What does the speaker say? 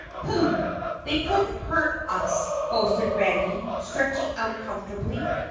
"Pooh! they couldn't hurt us," boasted Randy, stretching out comfortably.